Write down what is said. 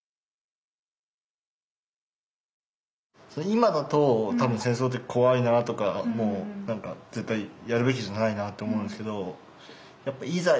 今だと多分戦争って怖いなとか絶対やるべきじゃないなって思うんですけどいざ